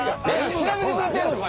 調べてくれてんのかいな。